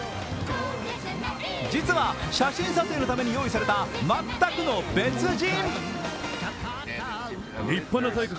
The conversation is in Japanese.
実は、写真撮影のために用意された全くの別人。